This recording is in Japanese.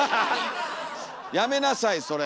やめなさいそれ！